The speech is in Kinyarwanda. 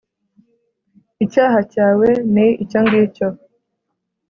icyaha cyawe ni icyo ngicyo.